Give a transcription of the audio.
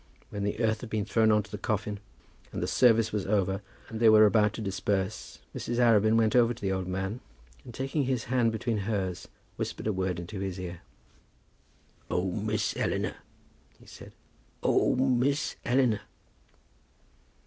When the earth had been thrown on to the coffin, and the service was over, and they were about to disperse, Mrs. Arabin went up to the old man, and taking his hand between hers whispered a word into his ear. "Oh, Miss Eleanor," he said. "Oh, Miss Eleanor!"